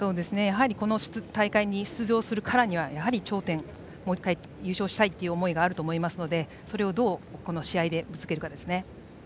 この大会に出場するからには頂点をもう１回優勝したいという思いがあると思うのでそれを、どうこの試合にぶつけるかですね。